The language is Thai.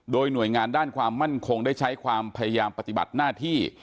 โดยหน่วยงานด้านความมั่นคงได้ใช้ความพยายามปฏิบัติหน้าที่